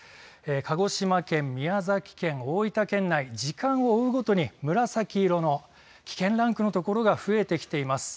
鹿児島県、宮崎県、大分県内時間を追うごとに紫色の危険ランクの所が増えてきています。